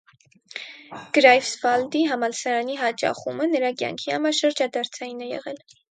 Գրայֆսվալդի համալսարանի հաճախումը նրա կյանքի համար շրջադարձային է եղել։